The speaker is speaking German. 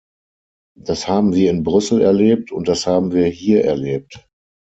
Das haben wir in Brüssel erlebt, und das haben wir hier erlebt.